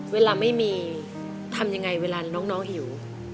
เวลาไม่มีทำยังไงเวลาน้องหิว